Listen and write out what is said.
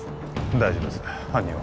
大丈夫です犯人は？